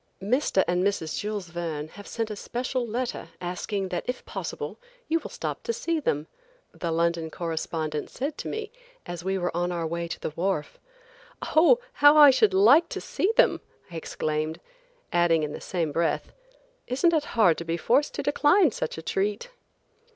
MR. & MRS. JULES VERNE have sent a special letter asking that if possible you will stop to see them," the London correspondent said to me, as we were on our way to the wharf. "Oh, how I should like to see them!" I exclaimed, adding in the same breath, "Isn't it hard to be forced to decline such a treat?"